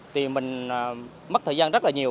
thì mình mất thời gian rất là nhiều